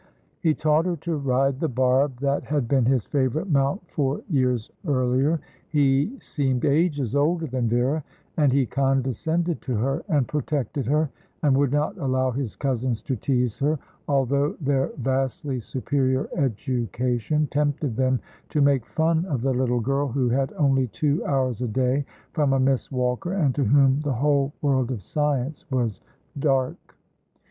He taught her to ride the barb that had been his favourite mount four years earlier. He seemed ages older than Vera; and he condescended to her and protected her, and would not allow his cousins to tease her, although their vastly superior education tempted them to make fun of the little girl who had only two hours a day from a Miss Walker, and to whom the whole world of science was dark.